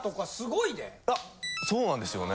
そうなんですよね。